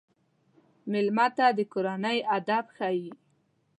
مېلمه ته د کورنۍ ادب ښيي.